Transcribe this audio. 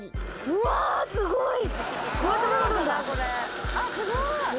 うわすごい。